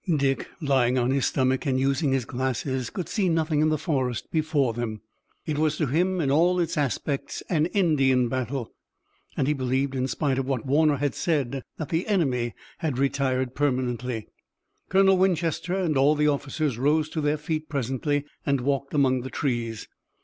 Dick, lying on his stomach and using his glasses, could see nothing in the forest before them. It was to him in all its aspects an Indian battle, and he believed in spite of what Warner had said that the enemy had retired permanently. Colonel Winchester and all the officers rose to their feet presently and walked among the trees.